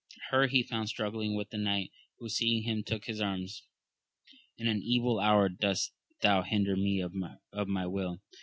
Her he found struggling with the knight, who seeing him took his arms :— In an evil hour dost thou hinder me of my will